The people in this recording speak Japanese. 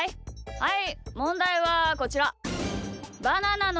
はい！